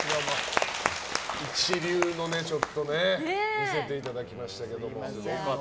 一流の見せていただきましたけど。